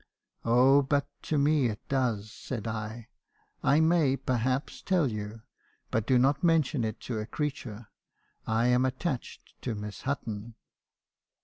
'"Oh, but to me it does,' said I! 'I may, perhaps, tell you — but do not mention it to a creature — I am attached to Miss Hutton.'